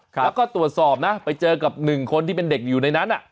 แล้วก็ตรวจสอบนะไปเจอกับหนึ่งคนที่เป็นเด็กอยู่ในนั้น